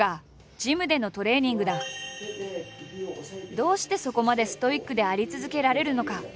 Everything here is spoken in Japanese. どうしてそこまでストイックであり続けられるのか？